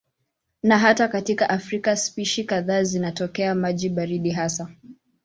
Na hata katika Afrika spishi kadhaa zinatokea maji baridi hasa.